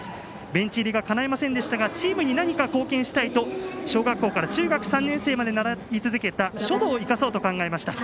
ベンチ入りがかないませんでしたがチームに何か貢献したいと小学校から中学３年生まで習い続けた書道を生かそうと考えました。